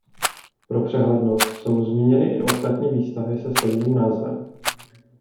Pro přehlednost jsou zmíněny i ostatní výstavy se stejným názvem.